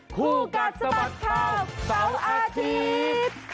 กูกัดสบัตรข้าวเส้าอาทิตย์